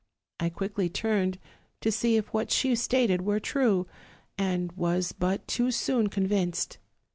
I quickly turned to see if what she stated were true, and was but too soon convinced.